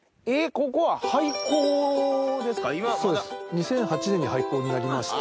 ２００８年に廃校になりまして。